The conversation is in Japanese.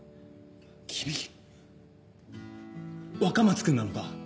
君若松君なのか？